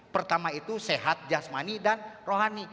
pertama itu sehat jasmani dan rohani